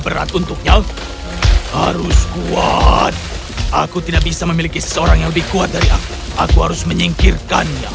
berat untuknya harus kuat aku tidak bisa memiliki seseorang yang lebih kuat dari aku aku harus menyingkirkannya